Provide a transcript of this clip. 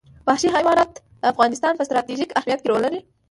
وحشي حیوانات د افغانستان په ستراتیژیک اهمیت کې رول لري.